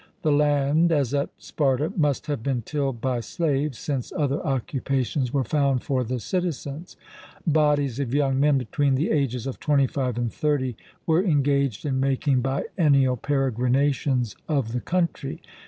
The land, as at Sparta, must have been tilled by slaves, since other occupations were found for the citizens. Bodies of young men between the ages of twenty five and thirty were engaged in making biennial peregrinations of the country.